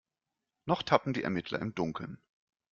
Noch tappen die Ermittler im Dunkeln.